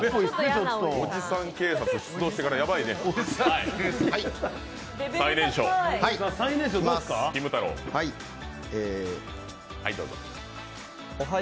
おじさん警察出動してからやばいですよ。